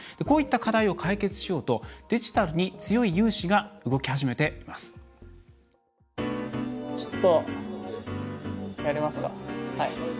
こういった課題を解決しようとデジタルに強い有志が動き始めています。